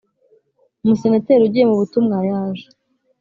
Umusenateri ugiye mu butumwa yaje